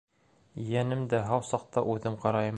Ейәнемде һау саҡта үҙем ҡарайым.